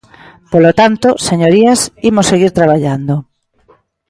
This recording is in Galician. Polo tanto, señorías, imos seguir traballando.